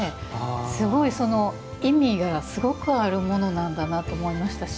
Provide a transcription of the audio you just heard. すごい意味がすごくあるものなんだなと思いましたね。